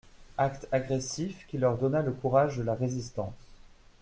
Acte agressif qui leur donna le courage de la résistance.